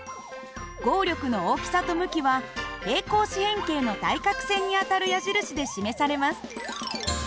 合力の大きさと向きは平行四辺形の対角線にあたる矢印で示されます。